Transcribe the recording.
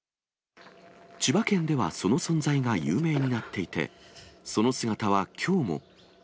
千葉県ではその存在が有名になっていて、その姿はきょうも。